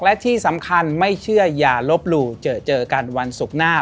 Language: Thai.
และที่สำคัญไม่เชื่ออย่าลบหลู่เจอเจอกันวันศุกร์หน้า